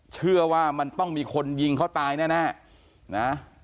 เชื่อต้องมีคนยิงเขาตายแน่